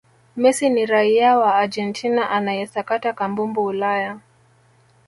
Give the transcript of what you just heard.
messi ni raia wa argentina anayesakata kambumbu ulaya